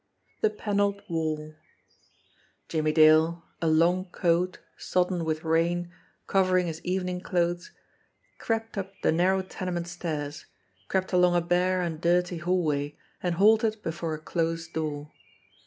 XT THE PANELLED WALL JIMMIE DALE, a long coat, sodden with rain, covering his evening clothes, crept up the narrow tenement stairs, crept along a bare and dirty hallway, and halted before a closed door.